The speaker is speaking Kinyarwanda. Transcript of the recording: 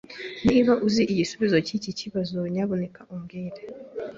Niba uzi igisubizo cyiki kibazo, nyamuneka umbwire.